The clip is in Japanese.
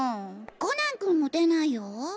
コナン君も出ないよ。